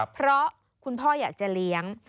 เพราะคุณพ่ออยากจะเลี้ยง